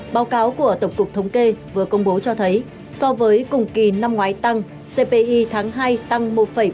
báo cáo của tổng cục thống kê vừa công bố cho thấy so với cùng kỳ năm ngoái tăng cpi tháng hai tăng một bảy mươi